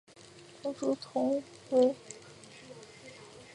短鳍虫鳗为蠕鳗科虫鳗属的鱼类。